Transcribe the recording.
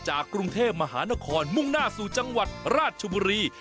กรุงเทพมหานครมุ่งหน้าสู่จังหวัดราชบุรี